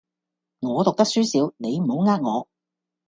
我讀得書少，你唔好呃我